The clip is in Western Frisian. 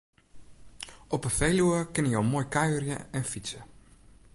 Op 'e Feluwe kinne jo moai kuierje en fytse.